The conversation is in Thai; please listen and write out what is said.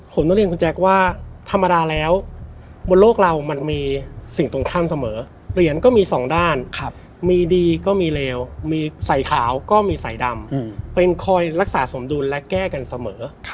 ผมต้องเรียนคุณแจ๊คว่าธรรมดาแล้วบนโลกเรามันมีสิ่งตรงข้ามเสมอเหรียญก็มีสองด้านมีดีก็มีเลวมีใส่ขาวก็มีใส่ดำเป็นคอยรักษาสมดุลและแก้กันเสมอ